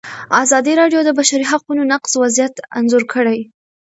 ازادي راډیو د د بشري حقونو نقض وضعیت انځور کړی.